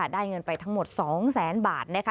ได้เงินไปทั้งหมด๒แสนบาทนะคะ